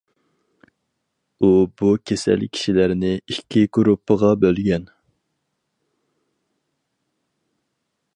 ئۇ بۇ كېسەل كىشىلەرنى ئىككى گۇرۇپپىغا بۆلگەن.